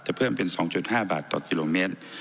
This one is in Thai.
เพิ่มเป็น๒๕บาทต่อกิโลเมตร